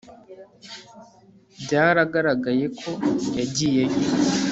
Byaragaragaye ko yagiyeyo